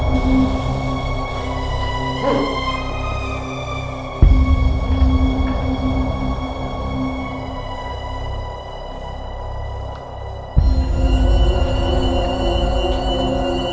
tidak salah banget ibu